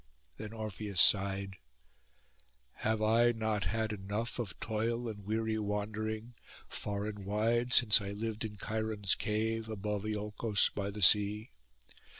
Then Orpheus sighed, 'Have I not had enough of toil and of weary wandering, far and wide since I lived in Cheiron's cave, above Iolcos by the sea?